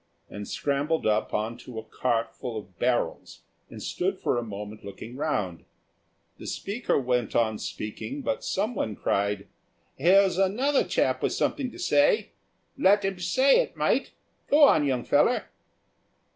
and scrambled up on to a cart full of barrels and stood for a moment looking round. The speaker went on speaking, but someone cried, "Here's another chap with something to say. Let 'im say it, mate; go on, young feller."